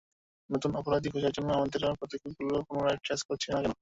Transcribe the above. নতুন অপরাধী খোঁজার জন্য আমাদের পদক্ষেপগুলো পুনরায় ট্রেস করছি না কেন?